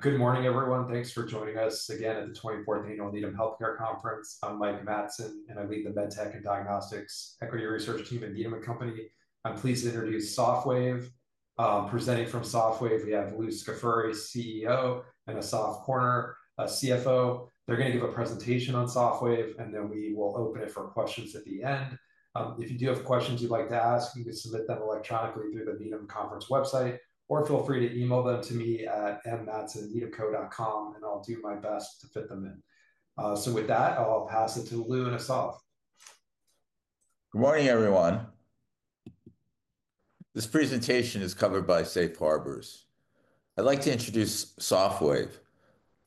Good morning, everyone. Thanks for joining us again at the 24th Annual Needham Healthcare Conference. I'm Mike Matson, and I lead the MedTech and Diagnostics Equity Research Team at Needham & Company. I'm pleased to introduce Sofwave. Presenting from Sofwave, we have Louis Scafuri, CEO, and Assaf Korner, CFO. They're going to give a presentation on Sofwave, and then we will open it for questions at the end. If you do have questions you'd like to ask, you can submit them electronically through the Needham Conference website, or feel free to email them to me at mmatson@needhamco.com, and I'll do my best to fit them in. With that, I'll pass it to Louis and Assaf. Good morning, everyone. This presentation is covered by Safe Harbors. I'd like to introduce Sofwave.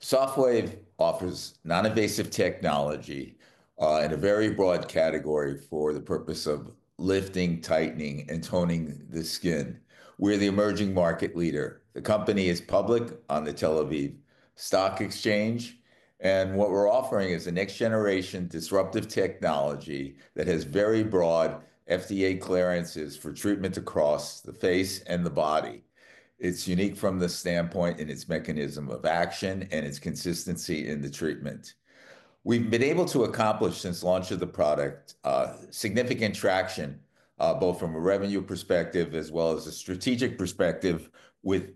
Sofwave offers non-invasive technology in a very broad category for the purpose of lifting, tightening, and toning the skin. We're the emerging market leader. The company is public on the Tel Aviv Stock Exchange, and what we're offering is a next-generation disruptive technology that has very broad FDA clearances for treatment across the face and the body. It's unique from the standpoint in its mechanism of action and its consistency in the treatment. We've been able to accomplish, since launch of the product, significant traction, both from a revenue perspective as well as a strategic perspective, with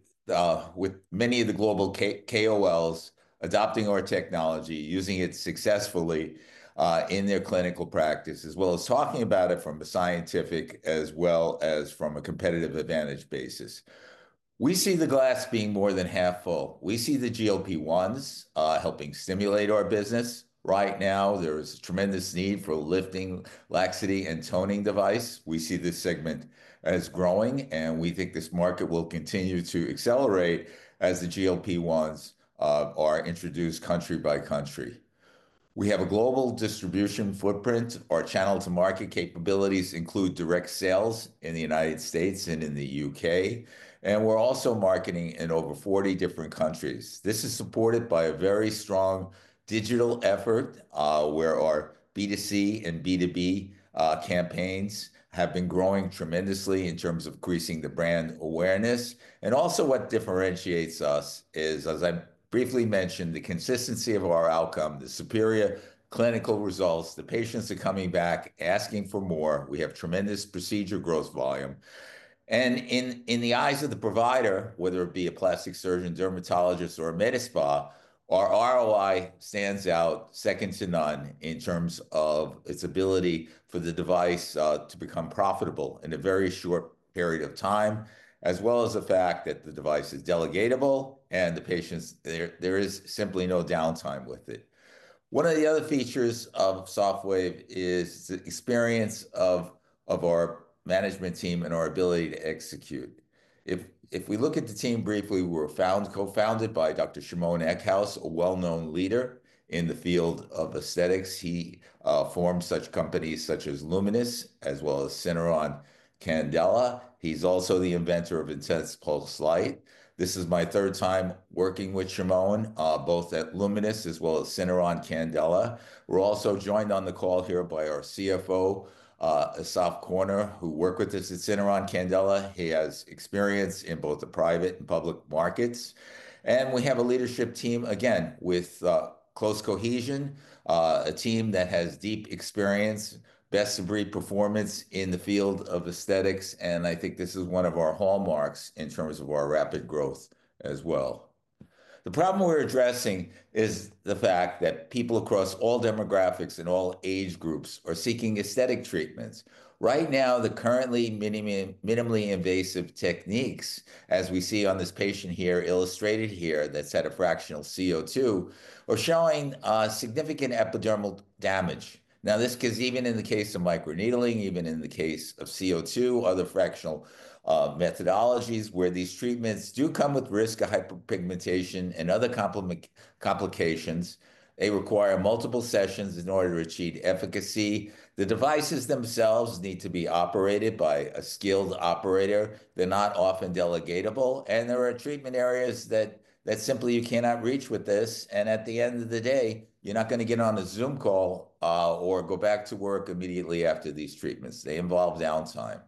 many of the global KOLs adopting our technology, using it successfully in their clinical practice, as well as talking about it from a scientific as well as from a competitive advantage basis. We see the glass being more than half full. We see the GLP-1s helping stimulate our business. Right now, there is a tremendous need for a lifting, laxity, and toning device. We see this segment as growing, and we think this market will continue to accelerate as the GLP-1s are introduced country by country. We have a global distribution footprint. Our channel to market capabilities include direct sales in the U.S. and in the U.K., and we're also marketing in over 40 different countries. This is supported by a very strong digital effort, where our B2C and B2B campaigns have been growing tremendously in terms of increasing the brand awareness. What differentiates us is, as I briefly mentioned, the consistency of our outcome, the superior clinical results, the patients are coming back asking for more. We have tremendous procedure growth volume. In the eyes of the provider, whether it be a plastic surgeon, dermatologist, or a med spa, our ROI stands out second to none in terms of its ability for the device to become profitable in a very short period of time, as well as the fact that the device is delegatable and the patients—there is simply no downtime with it. One of the other features of Sofwave is the experience of our management team and our ability to execute. If we look at the team briefly, we were co-founded by Dr. Shimon Eckhouse, a well-known leader in the field of aesthetics. He formed such companies such as Lumenis, as well as Syneron Candela. He's also the inventor of Intense Pulsed Light. This is my third time working with Shimon, both at Lumenis as well as Syneron Candela. We're also joined on the call here by our CFO, Assaf Korner, who worked with us at Syneron Candela. He has experience in both the private and public markets. We have a leadership team, again, with close cohesion, a team that has deep experience, best-of-breed performance in the field of aesthetics, and I think this is one of our hallmarks in terms of our rapid growth as well. The problem we're addressing is the fact that people across all demographics and all age groups are seeking aesthetic treatments. Right now, the currently minimally invasive techniques, as we see on this patient here illustrated here, that's had a fractional CO2, are showing significant epidermal damage. This is even in the case of microneedling, even in the case of CO2, other fractional methodologies where these treatments do come with risk of hyperpigmentation and other complications. They require multiple sessions in order to achieve efficacy. The devices themselves need to be operated by a skilled operator. They're not often delegatable, and there are treatment areas that simply you cannot reach with this. At the end of the day, you're not going to get on a Zoom call or go back to work immediately after these treatments. They involve downtime.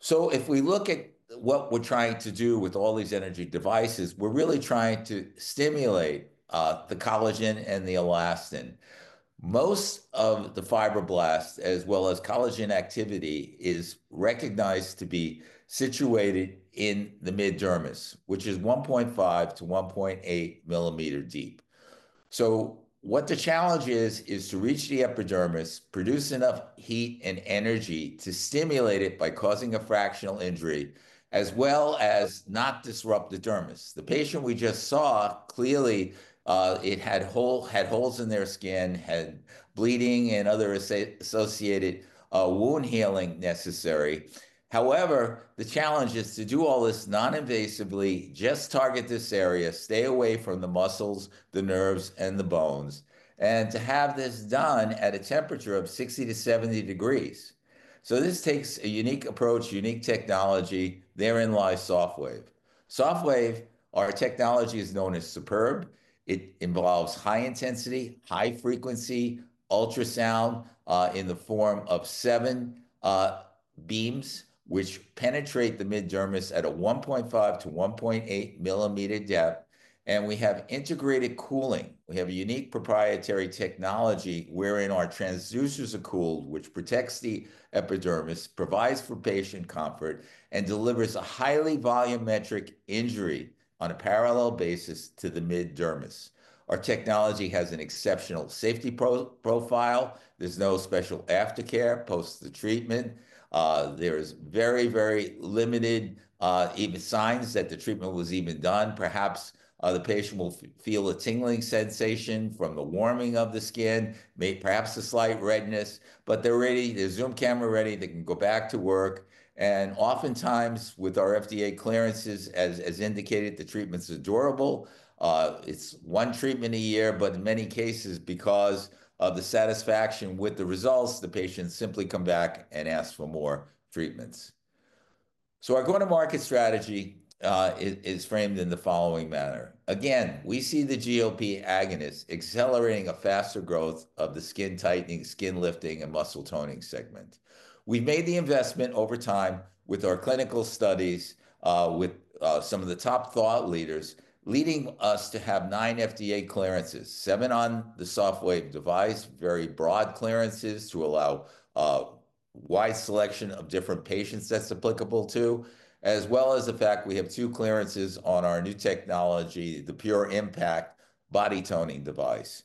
If we look at what we're trying to do with all these energy devices, we're really trying to stimulate the collagen and the elastin. Most of the fibroblasts, as well as collagen activity, is recognized to be situated in the mid dermis, which is 1.5 mm-1.8 mm deep. What the challenge is, is to reach the epidermis, produce enough heat and energy to stimulate it by causing a fractional injury, as well as not disrupt the dermis. The patient we just saw clearly had holes in their skin, had bleeding and other associated wound healing necessary. However, the challenge is to do all this non-invasively, just target this area, stay away from the muscles, the nerves, and the bones, and to have this done at a temperature 60 degrees-70 degrees. This takes a unique approach, unique technology, therein lies Sofwave. Sofwave, our technology is known as SUPERB. It involves high-intensity, high-frequency ultrasound in the form of seven beams, which penetrate the mid dermis at a 1.5 mm-1.8 mm depth. We have integrated cooling. We have a unique proprietary technology wherein our transducers are cooled, which protects the epidermis, provides for patient comfort, and delivers a highly volumetric injury on a parallel basis to the mid dermis. Our technology has an exceptional safety profile. There is no special aftercare post the treatment. There is very, very limited, even signs that the treatment was even done. Perhaps the patient will feel a tingling sensation from the warming of the skin, maybe perhaps a slight redness, but they're ready, their Zoom camera ready, they can go back to work. Oftentimes, with our FDA clearances, as indicated, the treatment's adorable. It's one treatment a year, but in many cases, because of the satisfaction with the results, the patients simply come back and ask for more treatments. Our go-to-market strategy is framed in the following manner. Again, we see the GLP-1 agonists accelerating a faster growth of the skin tightening, skin lifting, and muscle toning segment. We've made the investment over time with our clinical studies, with some of the top thought leaders, leading us to have nine FDA clearances, seven on the Sofwave device, very broad clearances to allow a wide selection of different patients that's applicable to, as well as the fact we have two clearances on our new technology, the Pure Impact Body Toning Device.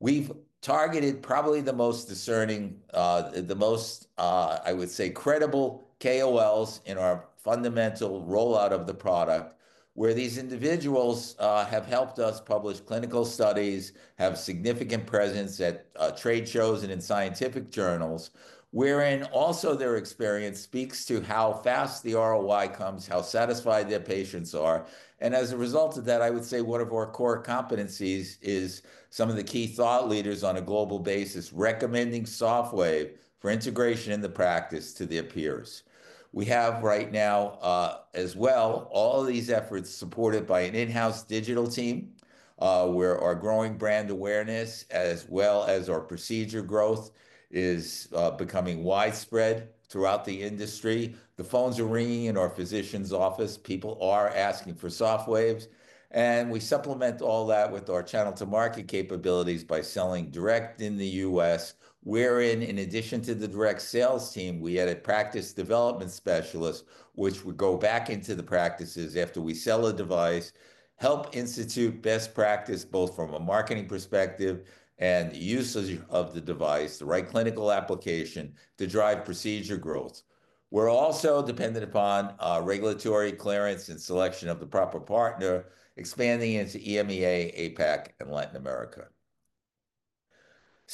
We've targeted probably the most discerning, the most, I would say, credible KOLs in our fundamental rollout of the product, where these individuals have helped us publish clinical studies, have significant presence at trade shows and in scientific journals, wherein also their experience speaks to how fast the ROI comes, how satisfied their patients are. As a result of that, I would say one of our core competencies is some of the key thought leaders on a global basis recommending Sofwave for integration in the practice to their peers. We have right now, as well, all of these efforts supported by an in-house digital team, where our growing brand awareness, as well as our procedure growth, is becoming widespread throughout the industry. The phones are ringing in our physician's office. People are asking for Sofwave. We supplement all that with our channel to market capabilities by selling direct in the U.S., wherein, in addition to the direct sales team, we added practice development specialists, which would go back into the practices after we sell a device, help institute best practice both from a marketing perspective and use of the device, the right clinical application to drive procedure growth. We're also dependent upon regulatory clearance and selection of the proper partner, expanding into EMEA, APAC, and Latin America.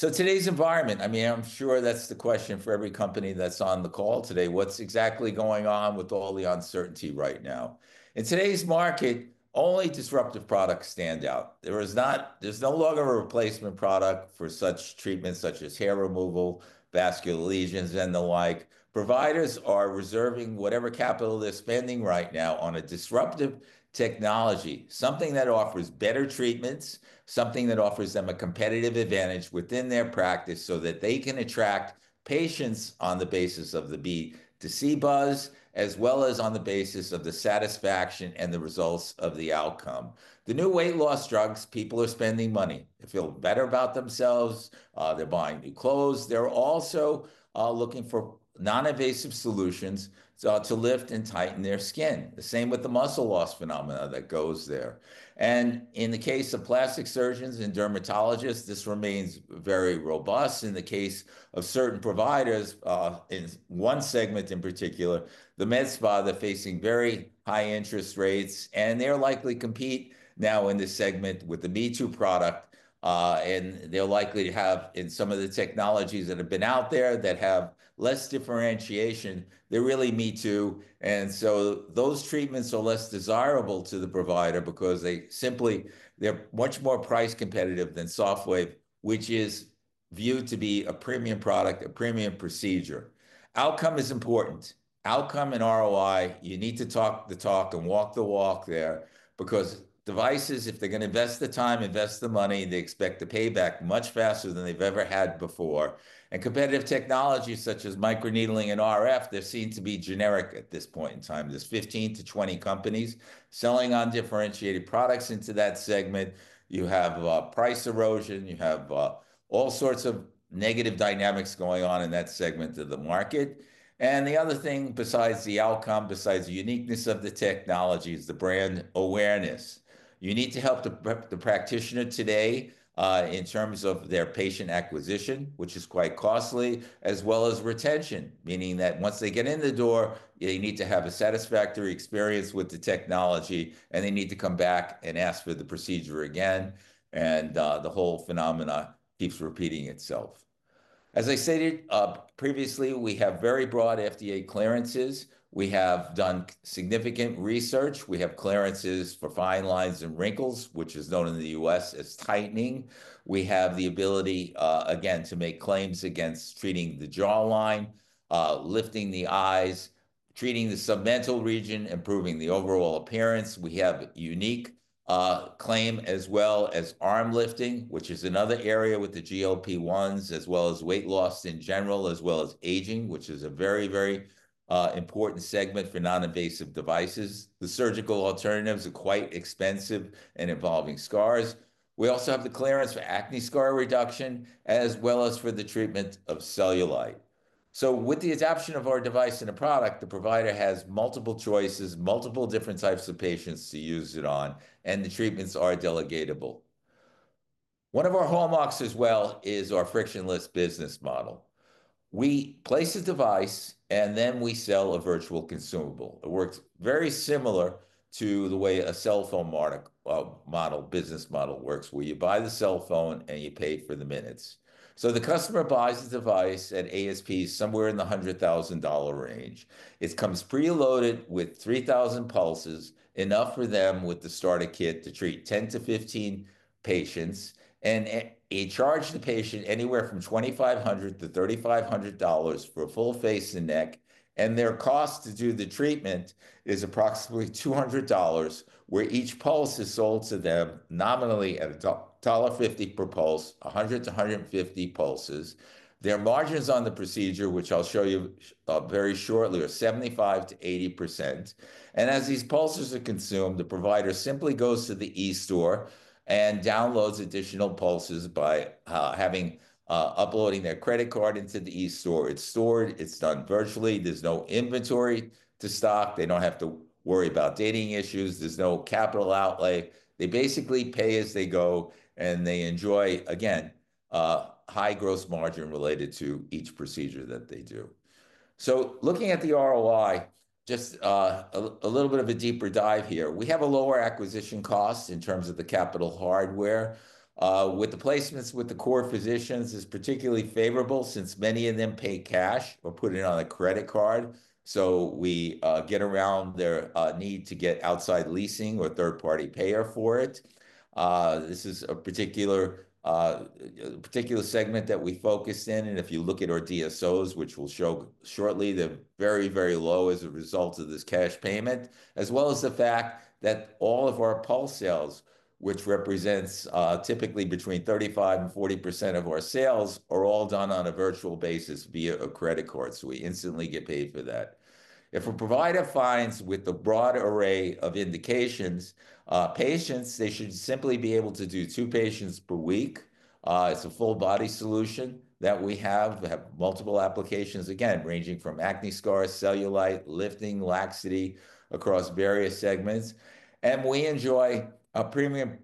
In today's environment, I mean, I'm sure that's the question for every company that's on the call today. What's exactly going on with all the uncertainty right now? In today's market, only disruptive products stand out. There is no longer a replacement product for such treatments such as hair removal, vascular lesions, and the like. Providers are reserving whatever capital they're spending right now on a disruptive technology, something that offers better treatments, something that offers them a competitive advantage within their practice so that they can attract patients on the basis of the B2C buzz, as well as on the basis of the satisfaction and the results of the outcome. The new weight loss drugs, people are spending money. They feel better about themselves. They're buying new clothes. They're also looking for non-invasive solutions to lift and tighten their skin. The same with the muscle loss phenomena that goes there. In the case of plastic surgeons and dermatologists, this remains very robust. In the case of certain providers, in one segment in particular, the med spa, they're facing very high interest rates, and they're likely to compete now in this segment with the Me-Too product. They're likely to have in some of the technologies that have been out there that have less differentiation, they're really Me-Too. Those treatments are less desirable to the provider because they simply, they're much more price competitive than Sofwave, which is viewed to be a premium product, a premium procedure. Outcome is important. Outcome and ROI, you need to talk the talk and walk the walk there because devices, if they're going to invest the time, invest the money, they expect to pay back much faster than they've ever had before. Competitive technologies such as microneedling and RF, they seem to be generic at this point in time. There are 15 companies-20 companies selling undifferentiated products into that segment. You have price erosion. You have all sorts of negative dynamics going on in that segment of the market. The other thing besides the outcome, besides the uniqueness of the technology, is the brand awareness. You need to help the practitioner today in terms of their patient acquisition, which is quite costly, as well as retention, meaning that once they get in the door, they need to have a satisfactory experience with the technology, and they need to come back and ask for the procedure again. The whole phenomena keeps repeating itself. As I stated previously, we have very broad FDA clearances. We have done significant research. We have clearances for fine lines and wrinkles, which is known in the U.S. as tightening. We have the ability, again, to make claims against treating the jawline, lifting the eyes, treating the submental region, improving the overall appearance. We have a unique claim as well as arm lifting, which is another area with the GLP-1s, as well as weight loss in general, as well as aging, which is a very, very important segment for non-invasive devices. The surgical alternatives are quite expensive and involving scars. We also have the clearance for acne scar reduction, as well as for the treatment of cellulite. With the adoption of our device and a product, the provider has multiple choices, multiple different types of patients to use it on, and the treatments are delegatable. One of our hallmarks as well is our frictionless business model. We place a device and then we sell a virtual consumable. It works very similar to the way a cell phone model business model works, where you buy the cell phone and you pay for the minutes. The customer buys the device at ASPs somewhere in the $100,000 range. It comes preloaded with 3,000 pulses, enough for them with the starter kit to treat 10 patients-15 patients. You charge the patient anywhere from $2,500-$3,500 for a full face and neck. Their cost to do the treatment is approximately $200, where each pulse is sold to them nominally at $150 per pulse, 100-150 pulses. Their margins on the procedure, which I'll show you very shortly, are 75%-80%. As these pulses are consumed, the provider simply goes to the e-store and downloads additional pulses by uploading their credit card into the e-store. It's stored. It's done virtually. There's no inventory to stock. They don't have to worry about dating issues. There's no capital outlay. They basically pay as they go, and they enjoy, again, high gross margin related to each procedure that they do. Looking at the ROI, just a little bit of a deeper dive here. We have a lower acquisition cost in terms of the capital hardware. With the placements with the core physicians, it's particularly favorable since many of them pay cash or put it on a credit card. We get around their need to get outside leasing or third-party payer for it. This is a particular segment that we focus in. If you look at our DSOs, which we'll show shortly, they're very, very low as a result of this cash payment, as well as the fact that all of our pulse sales, which represents typically between 35% and 40% of our sales, are all done on a virtual basis via a credit card. We instantly get paid for that. If a provider finds with the broad array of indications, patients, they should simply be able to do two patients per week. It's a full-body solution that we have, have multiple applications, again, ranging from acne scars, cellulite, lifting, laxity across various segments. We enjoy a premium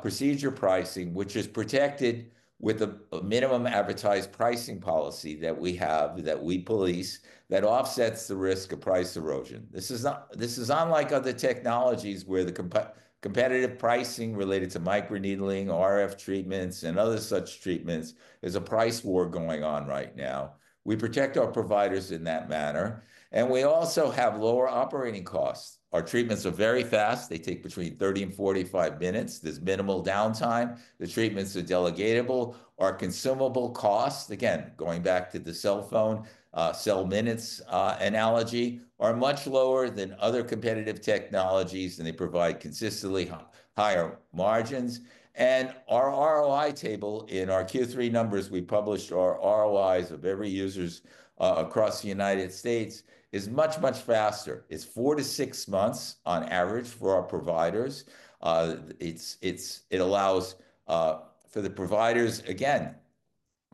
procedure pricing, which is protected with a minimum advertised pricing policy that we have that we police that offsets the risk of price erosion. This is unlike other technologies where the competitive pricing related to microneedling, RF treatments, and other such treatments is a price war going on right now. We protect our providers in that manner. We also have lower operating costs. Our treatments are very fast. They take between 30 and 45 minutes. There's minimal downtime. The treatments are delegatable. Our consumable costs, again, going back to the cell phone, cell minutes analogy, are much lower than other competitive technologies, and they provide consistently higher margins. Our ROI table in our Q3 numbers, we published our ROIs of every user's across the United States is much, much faster. It's four- to six months on average for our providers. It allows for the providers, again,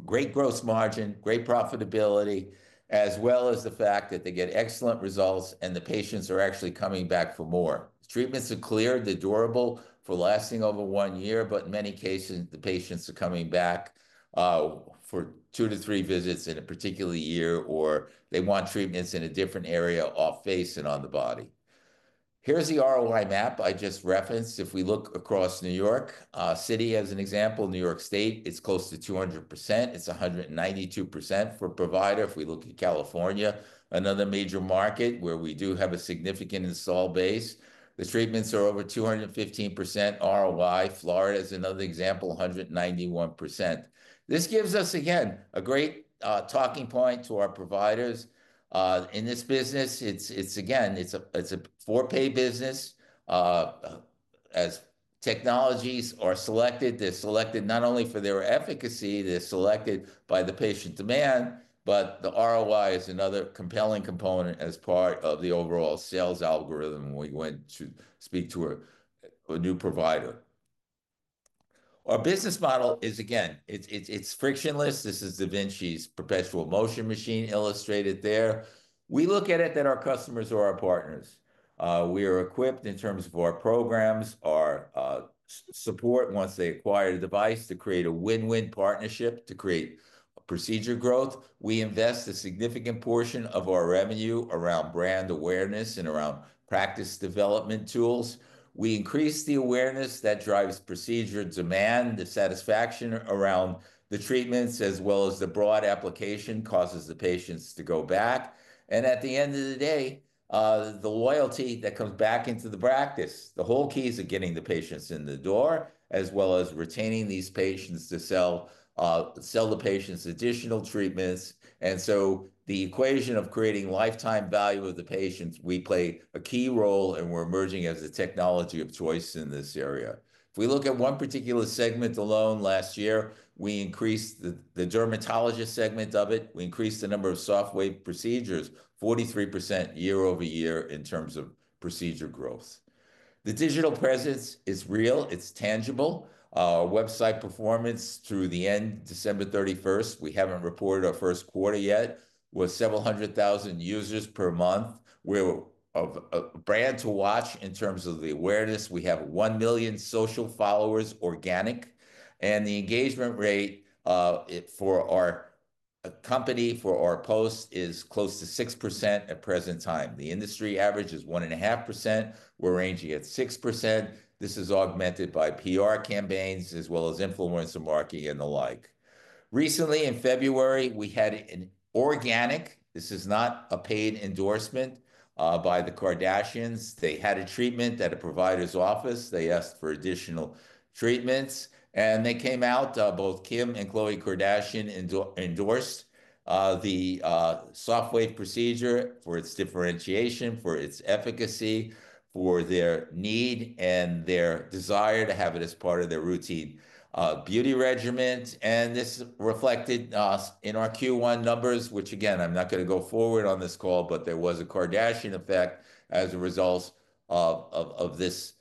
great gross margin, great profitability, as well as the fact that they get excellent results and the patients are actually coming back for more. Treatments are clear. They're durable for lasting over one year, but in many cases, the patients are coming back for two to three visits in a particular year or they want treatments in a different area off face and on the body. Here's the ROI map I just referenced. If we look across New York City as an example, New York State, it's close to 200%. It's 192% for a provider. If we look at California, another major market where we do have a significant install base, the treatments are over 215% ROI. Florida is another example, 191%. This gives us, again, a great talking point to our providers. In this business, it's, again, it's a for-pay business. As technologies are selected, they're selected not only for their efficacy, they're selected by the patient demand, but the ROI is another compelling component as part of the overall sales algorithm when we went to speak to a new provider. Our business model is, again, it's frictionless. This is DaVinci's perpetual motion machine illustrated there. We look at it that our customers are our partners. We are equipped in terms of our programs, our support once they acquire a device to create a win-win partnership, to create procedure growth. We invest a significant portion of our revenue around brand awareness and around practice development tools. We increase the awareness that drives procedure demand, the satisfaction around the treatments, as well as the broad application causes the patients to go back. At the end of the day, the loyalty that comes back into the practice. The whole key is getting the patients in the door, as well as retaining these patients to sell the patients additional treatments. The equation of creating lifetime value of the patients, we play a key role, and we're emerging as a technology of choice in this area. If we look at one particular segment alone last year, we increased the dermatologist segment of it. We increased the number of Sofwave procedures, 43% year-over-year in terms of procedure growth. The digital presence is real. It's tangible. Our website performance through the end, December 31, we have not reported our first quarter yet, with several hundred thousand users per month. We are a brand to watch in terms of the awareness. We have 1 million social followers organic. The engagement rate for our company, for our posts, is close to 6% at present time. The industry average is 1.5%. We are ranging at 6%. This is augmented by PR campaigns as well as influencer marketing and the like. Recently, in February, we had an organic—this is not a paid endorsement by the Kardashians. They had a treatment at a provider's office. They asked for additional treatments. They came out. Both Kim and Khloé Kardashian endorsed the Sofwave procedure for its differentiation, for its efficacy, for their need and their desire to have it as part of their routine beauty regimen. This reflected in our Q1 numbers, which, again, I'm not going to go forward on this call, but there was a Kardashian effect as a result of this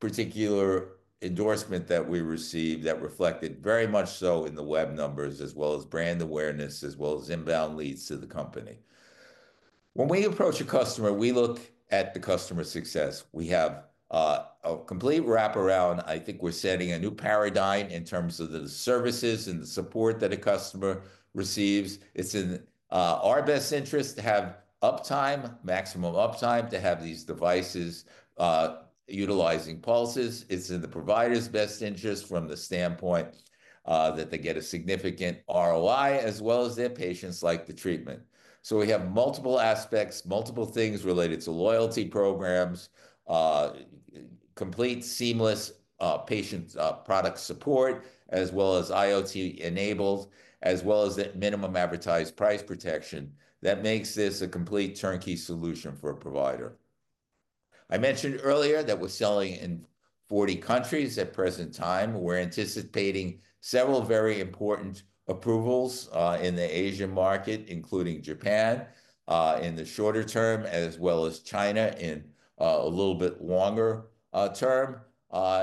particular endorsement that we received that reflected very much so in the web numbers, as well as brand awareness, as well as inbound leads to the company. When we approach a customer, we look at the customer success. We have a complete wraparound. I think we're setting a new paradigm in terms of the services and the support that a customer receives. It's in our best interest to have uptime, maximum uptime, to have these devices utilizing pulses. It's in the provider's best interest from the standpoint that they get a significant ROI, as well as their patients like the treatment. We have multiple aspects, multiple things related to loyalty programs, complete seamless patient product support, as well as IoT-enabled, as well as that minimum advertised price protection that makes this a complete turnkey solution for a provider. I mentioned earlier that we're selling in 40 countries at present time. We're anticipating several very important approvals in the Asian market, including Japan in the shorter term, as well as China in a little bit longer term.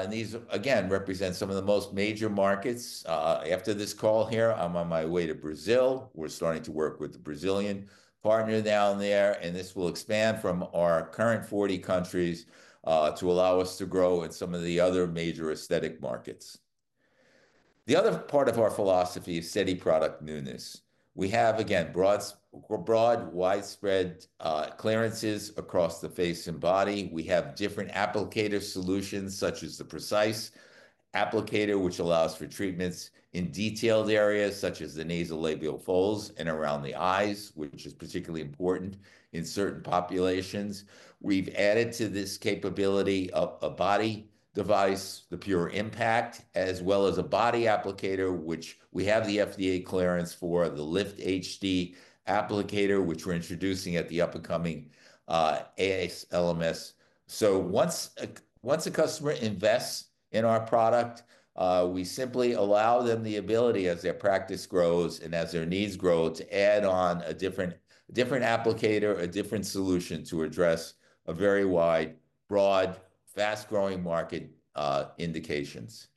These, again, represent some of the most major markets. After this call here, I'm on my way to Brazil. We're starting to work with the Brazilian partner now and there. This will expand from our current 40 countries to allow us to grow in some of the other major aesthetic markets. The other part of our philosophy is steady product newness. We have, again, broad, widespread clearances across the face and body. We have different applicator solutions, such as the precise applicator, which allows for treatments in detailed areas, such as the nasolabial folds and around the eyes, which is particularly important in certain populations. We've added to this capability a body device, the Pure Impact, as well as a body applicator, which we have the FDA clearance for, the liftHD applicator, which we're introducing at the upcoming ASLMS. Once a customer invests in our product, we simply allow them the ability, as their practice grows and as their needs grow, to add on a different applicator, a different solution to address a very wide, broad, fast-growing market indications.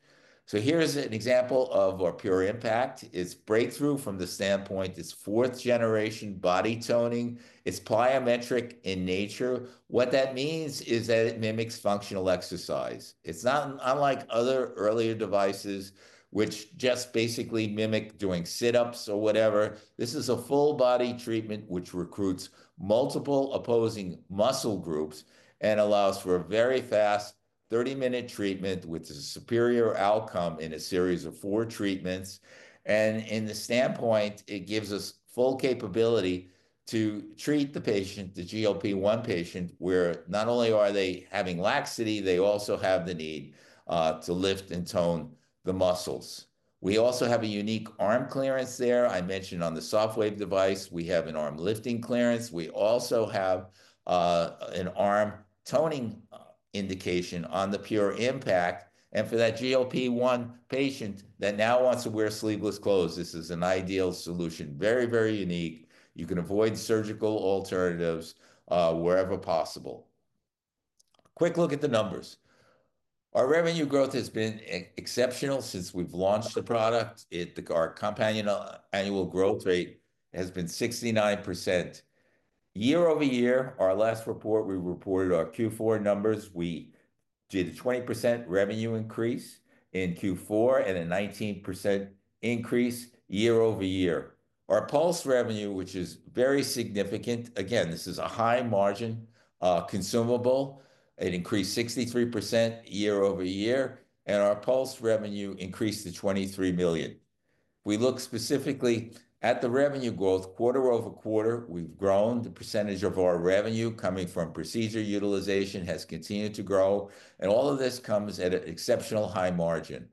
Here's an example of our Pure Impact. It's breakthrough from the standpoint. It's fourth-generation body toning. It's plyometric in nature. What that means is that it mimics functional exercise. It's not unlike other earlier devices, which just basically mimic doing sit-ups or whatever. This is a full-body treatment, which recruits multiple opposing muscle groups and allows for a very fast 30-minute treatment, which is a superior outcome in a series of four treatments. In the standpoint, it gives us full capability to treat the patient, the GLP-1 patient, where not only are they having laxity, they also have the need to lift and tone the muscles. We also have a unique arm clearance there. I mentioned on the Sofwave device, we have an arm lifting clearance. We also have an arm toning indication on the Pure Impact. For that GLP-1 patient that now wants to wear sleeveless clothes, this is an ideal solution. Very, very unique. You can avoid surgical alternatives wherever possible. Quick look at the numbers. Our revenue growth has been exceptional since we've launched the product. Our compound annual growth rate has been 69% year-over-year. Our last report, we reported our Q4 numbers. We did a 20% revenue increase in Q4 and a 19% increase year-over-year. Our pulse revenue, which is very significant, again, this is a high-margin consumable. It increased 63% year-over-year. Our pulse revenue increased to $23 million. We look specifically at the revenue growth. Quarter over quarter, we've grown. The percentage of our revenue coming from procedure utilization has continued to grow. All of this comes at an exceptional high margin.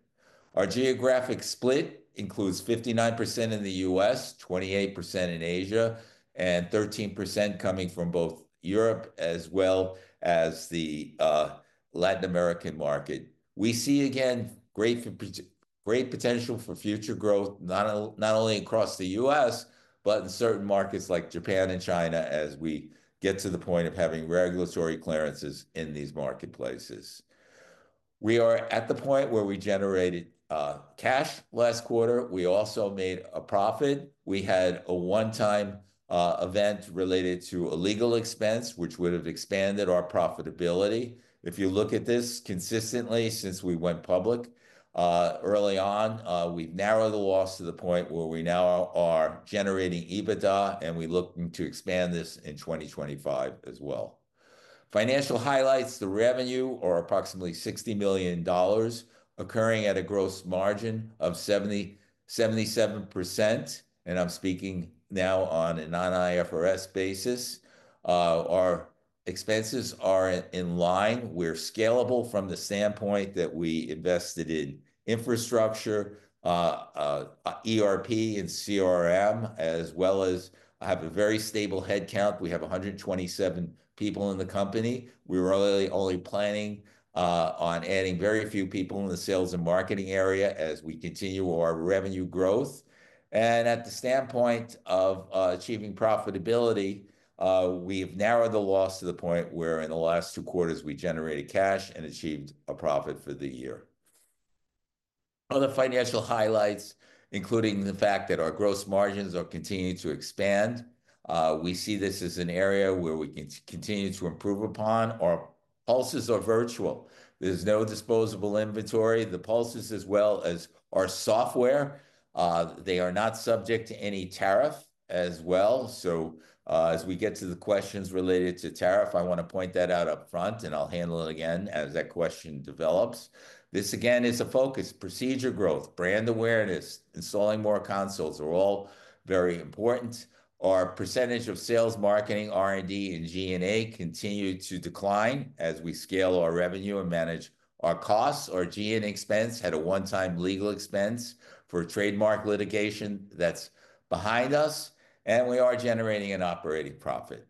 Our geographic split includes 59% in the U.S., 28% in Asia, and 13% coming from both Europe as well as the Latin American market. We see, again, great potential for future growth, not only across the U.S., but in certain markets like Japan and China as we get to the point of having regulatory clearances in these marketplaces. We are at the point where we generated cash last quarter. We also made a profit. We had a one-time event related to a legal expense, which would have expanded our profitability. If you look at this consistently since we went public early on, we've narrowed the loss to the point where we now are generating EBITDA, and we're looking to expand this in 2025 as well. Financial highlights, the revenue or approximately $60 million occurring at a gross margin of 77%. I'm speaking now on a non-IFRS basis. Our expenses are in line. We're scalable from the standpoint that we invested in infrastructure, ERP, and CRM, as well as have a very stable headcount. We have 127 people in the company. We're really only planning on adding very few people in the sales and marketing area as we continue our revenue growth. At the standpoint of achieving profitability, we have narrowed the loss to the point where in the last two quarters, we generated cash and achieved a profit for the year. Other financial highlights include the fact that our gross margins are continuing to expand. We see this as an area where we can continue to improve upon. Our pulses are virtual. There's no disposable inventory. The pulses, as well as our software, are not subject to any tariff as well. As we get to the questions related to tariff, I want to point that out upfront, and I'll handle it again as that question develops. This, again, is a focus. Procedure growth, brand awareness, installing more consoles are all very important. Our percentage of sales, marketing, R&D, and G&A continue to decline as we scale our revenue and manage our costs. Our G&A expense had a one-time legal expense for trademark litigation. That's behind us. We are generating an operating profit.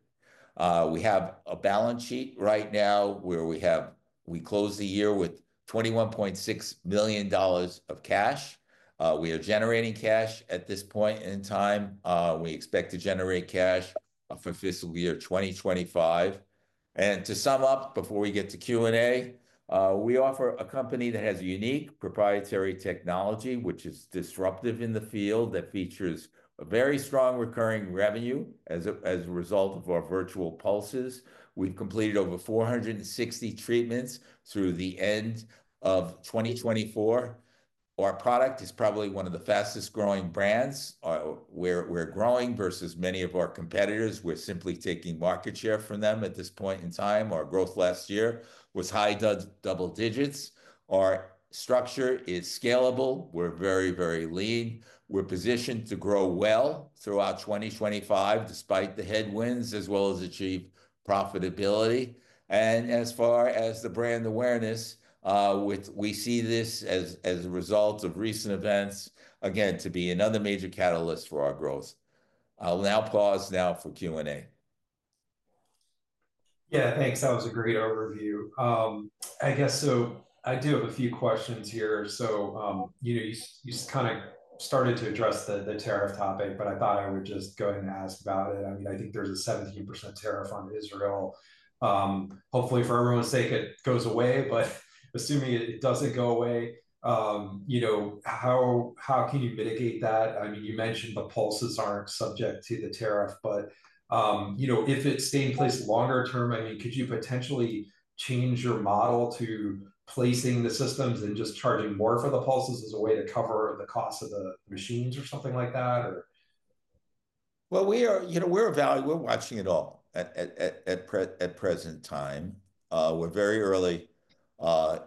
We have a balance sheet right now where we close the year with $21.6 million of cash. We are generating cash at this point in time. We expect to generate cash for fiscal year 2025. To sum up before we get to Q&A, we offer a company that has a unique proprietary technology, which is disruptive in the field, that features a very strong recurring revenue as a result of our virtual pulses. We've completed over 460 treatments through the end of 2024. Our product is probably one of the fastest-growing brands. We're growing versus many of our competitors. We're simply taking market share from them at this point in time. Our growth last year was high double digits. Our structure is scalable. We're very, very lean. We're positioned to grow well throughout 2025 despite the headwinds, as well as achieve profitability. As far as the brand awareness, we see this as a result of recent events, again, to be another major catalyst for our growth. I'll now pause for Q&A. Yeah, thanks. That was a great overview. I guess I do have a few questions here. You kind of started to address the tariff topic, but I thought I would just go ahead and ask about it. I mean, I think there's a 17% tariff on Israel. Hopefully, for everyone's sake, it goes away. Assuming it doesn't go away, how can you mitigate that? I mean, you mentioned the pulses aren't subject to the tariff, but if it stayed in place longer term, I mean, could you potentially change your model to placing the systems and just charging more for the pulses as a way to cover the cost of the machines or something like that? We are evaluating, we are watching it all at present time. We are very early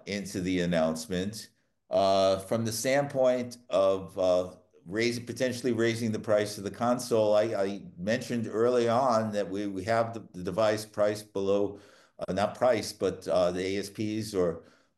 into the announcements. From the standpoint of potentially raising the price of the console, I mentioned early on that we have the device priced below, not priced, but the ASPs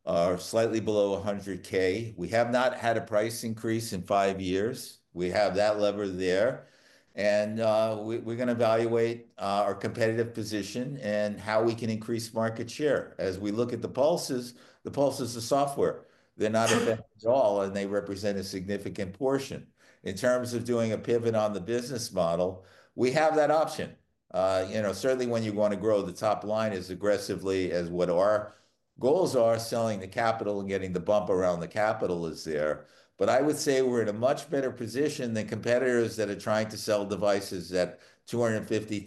are slightly below $100,000. We have not had a price increase in five years. We have that lever there. We are going to evaluate our competitive position and how we can increase market share. As we look at the pulses, the pulse is the software. They're not a vendor at all, and they represent a significant portion. In terms of doing a pivot on the business model, we have that option. Certainly, when you want to grow the top line as aggressively as what our goals are, selling the capital and getting the bump around the capital is there. I would say we're in a much better position than competitors that are trying to sell devices at $250,000,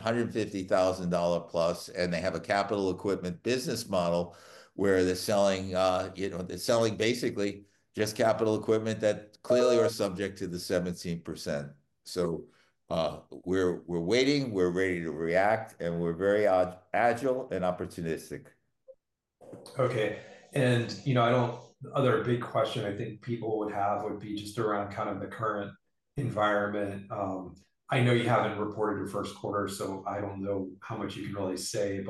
$150,000+, and they have a capital equipment business model where they're selling basically just capital equipment that clearly are subject to the 17%. We're waiting. We're ready to react, and we're very agile and opportunistic. Okay. The other big question I think people would have would be just around kind of the current environment. I know you haven't reported your first quarter, so I don't know how much you can really say.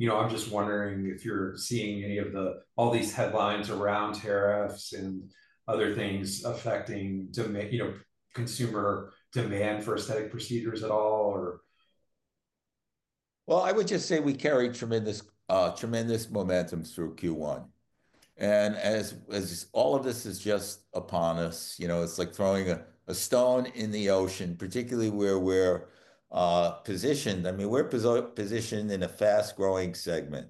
I'm just wondering if you're seeing any of all these headlines around tariffs and other things affecting consumer demand for aesthetic procedures at all, or? I would just say we carried tremendous momentum through Q1. As all of this is just upon us, it's like throwing a stone in the ocean, particularly where we're positioned. I mean, we're positioned in a fast-growing segment.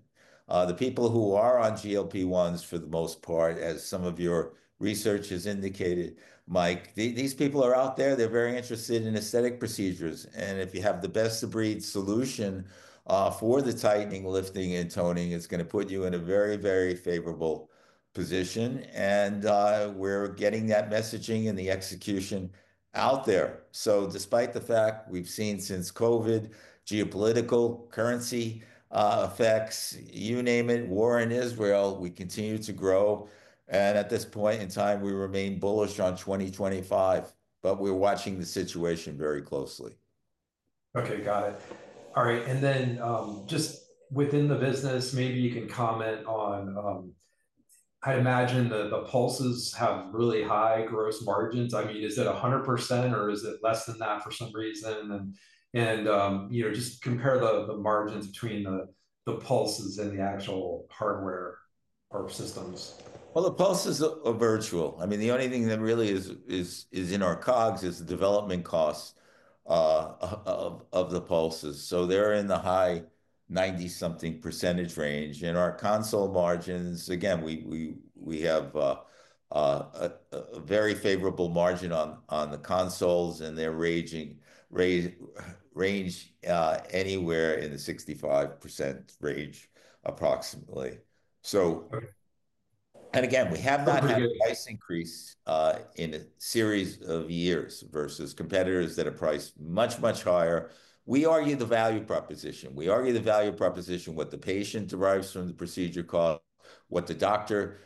The people who are on GLP-1s, for the most part, as some of your research has indicated, Mike, these people are out there. They're very interested in aesthetic procedures. If you have the best-of-breed solution for the tightening, lifting, and toning, it's going to put you in a very, very favorable position. We're getting that messaging and the execution out there. Despite the fact we've seen since COVID, geopolitical, currency effects, you name it, war in Israel, we continue to grow. At this point in time, we remain bullish on 2025, but we're watching the situation very closely. Okay, got it. All right. Just within the business, maybe you can comment on I'd imagine the pulses have really high gross margins. I mean, is it 100%, or is it less than that for some reason? Just compare the margins between the pulses and the actual hardware or systems. The pulses are virtual. I mean, the only thing that really is in our COGS is the development costs of the pulses. They're in the high 90-something percentage range. Our console margins, again, we have a very favorable margin on the consoles, and they're ranging anywhere in the 65% range approximately. Again, we have not had a price increase in a series of years versus competitors that are priced much, much higher. We argue the value proposition. We argue the value proposition, what the patient derives from the procedure cost, what the doctor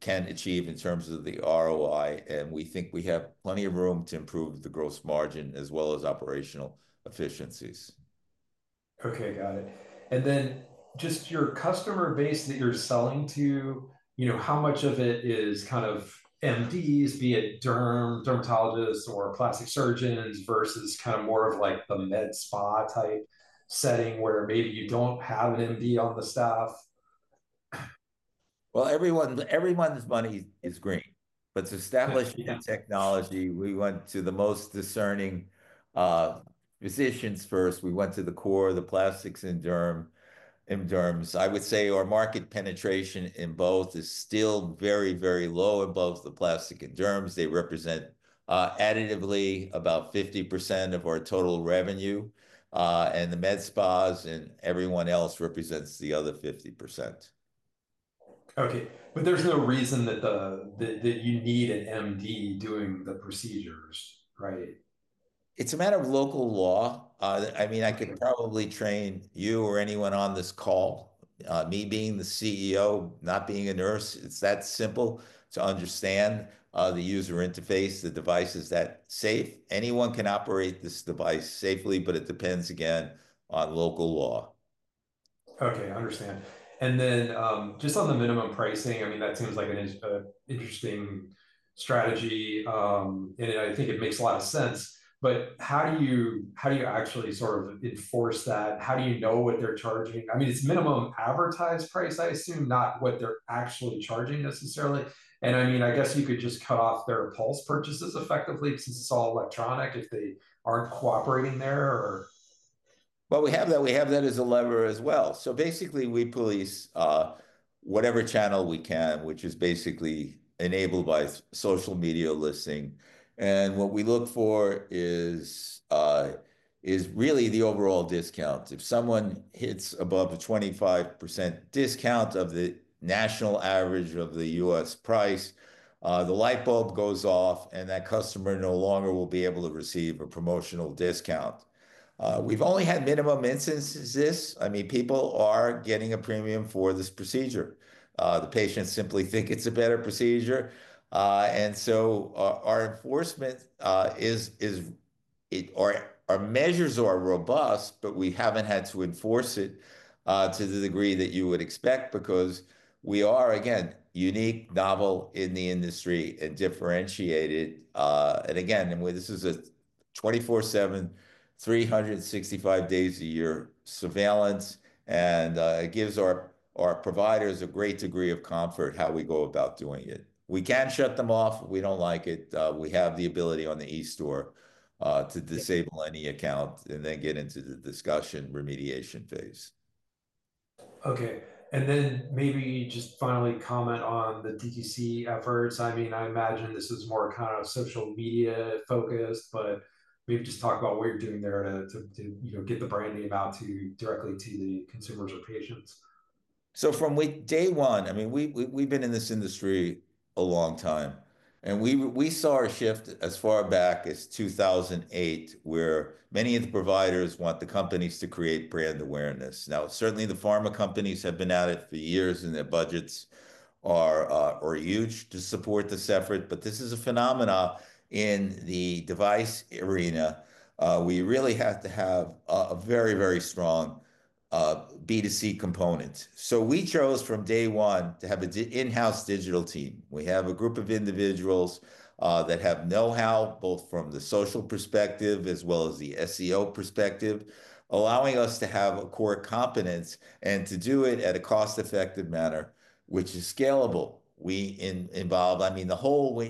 can achieve in terms of the ROI. We think we have plenty of room to improve the gross margin as well as operational efficiencies. Okay, got it. Just your customer base that you're selling to, how much of it is kind of MDs, be it dermatologists or plastic surgeons versus kind of more of like the med spa type setting where maybe you don't have an MD on the staff? Everyone's money is green. To establish the technology, we went to the most discerning physicians first. We went to the core, the plastics and derms. I would say our market penetration in both is still very, very low above the plastic and derms. They represent additively about 50% of our total revenue. The med spas and everyone else represents the other 50%. Okay. There is no reason that you need an MD doing the procedures, right? It is a matter of local law. I mean, I could probably train you or anyone on this call. Me being the CEO, not being a nurse, it is that simple to understand the user interface, the device is that safe. Anyone can operate this device safely, but it depends, again, on local law. Okay, I understand. Just on the minimum pricing, I mean, that seems like an interesting strategy. I think it makes a lot of sense. How do you actually sort of enforce that? How do you know what they are charging? I mean, it is minimum advertised price, I assume, not what they are actually charging necessarily. I mean, I guess you could just cut off their pulse purchases effectively since it's all electronic if they aren't cooperating there, or? We have that. We have that as a lever as well. Basically, we police whatever channel we can, which is basically enabled by social media listing. What we look for is really the overall discount. If someone hits above the 25% discount of the national average of the U.S. price, the light bulb goes off, and that customer no longer will be able to receive a promotional discount. We've only had minimum instances of this. I mean, people are getting a premium for this procedure. The patients simply think it's a better procedure. Our enforcement, our measures are robust, but we haven't had to enforce it to the degree that you would expect because we are, again, unique, novel in the industry, and differentiated. This is a 24/7, 365 days a year surveillance, and it gives our providers a great degree of comfort how we go about doing it. We can shut them off. We don't like it. We have the ability on the eStore to disable any account and then get into the discussion remediation phase. Okay. Maybe just finally comment on the DTC efforts. I mean, I imagine this is more kind of social media focused, but maybe just talk about what you're doing there to get the brand name out directly to the consumers or patients. From day one, I mean, we've been in this industry a long time. We saw a shift as far back as 2008, where many of the providers want the companies to create brand awareness. Certainly, the pharma companies have been at it for years, and their budgets are huge to support this effort. This is a phenomenon in the device arena. We really have to have a very, very strong B2C component. We chose from day one to have an in-house digital team. We have a group of individuals that have know-how, both from the social perspective as well as the SEO perspective, allowing us to have a core competence and to do it in a cost-effective manner, which is scalable. I mean,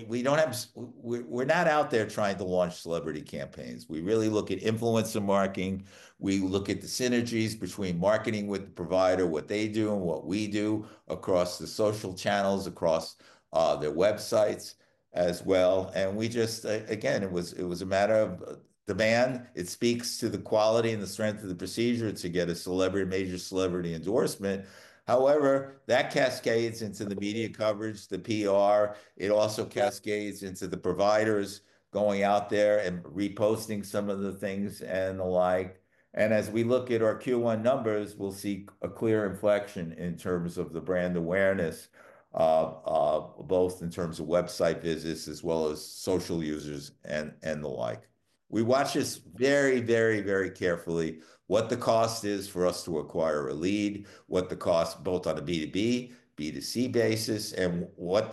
we do not have—we are not out there trying to launch celebrity campaigns. We really look at influencer marketing. We look at the synergies between marketing with the provider, what they do and what we do across the social channels, across their websites as well. It was a matter of demand. It speaks to the quality and the strength of the procedure to get a major celebrity endorsement. However, that cascades into the media coverage, the PR. It also cascades into the providers going out there and reposting some of the things and the like. As we look at our Q1 numbers, we'll see a clear inflection in terms of the brand awareness, both in terms of website visits as well as social users and the like. We watch this very, very, very carefully, what the cost is for us to acquire a lead, what the cost, both on a B2B, B2C basis, and what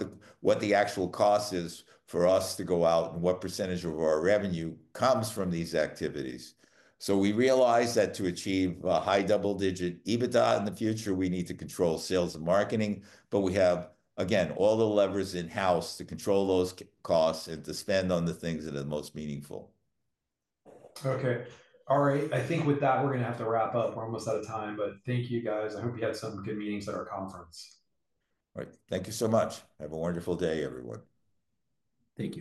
the actual cost is for us to go out and what percentage of our revenue comes from these activities. We realize that to achieve a high double-digit EBITDA in the future, we need to control sales and marketing. We have, again, all the levers in-house to control those costs and to spend on the things that are the most meaningful. Okay. All right. I think with that, we're going to have to wrap up. We're almost out of time, but thank you, guys. I hope you had some good meetings at our conference. All right. Thank you so much. Have a wonderful day, everyone. Thank you.